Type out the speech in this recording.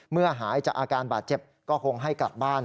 หายจากอาการบาดเจ็บก็คงให้กลับบ้าน